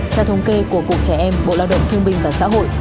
theo thống kê của cục trẻ em bộ lao động thương minh và xã hội